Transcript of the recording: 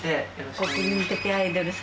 国民的アイドル様。